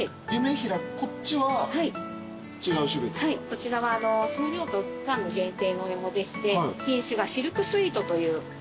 こちらは数量と期間の限定のお芋でして品種がシルクスイートというお芋。